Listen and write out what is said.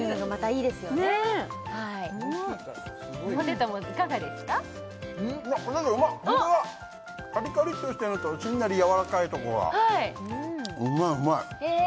ホントだカリカリっとしてるのとしんなりやわらかいところがうまいうまい！